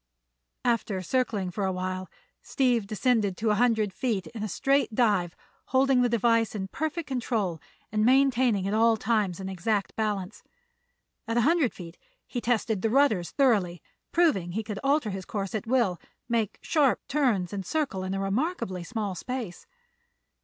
After circling for a while Steve descended to a hundred feet in a straight dive, holding the device in perfect control and maintaining at all times an exact balance. At a hundred feet he tested the rudders thoroughly, proving he could alter his course at will, make sharp turns and circle in a remarkably small space.